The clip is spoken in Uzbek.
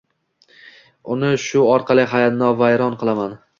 Uni shu orqali xonavayron qilaman